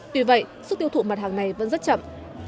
tuy vậy sức tiêu thụ mặt hàng này vẫn rất chậm